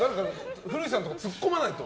古市さんがツッコまないと。